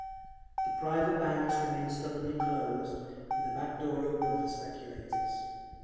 The private banks remained stubbornly closed, with a back door open for speculators.